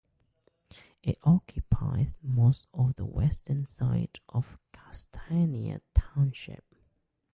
It occupies most of the western side of Castanea Township.